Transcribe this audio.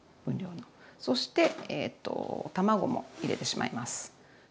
そして卵も入れてしまいます。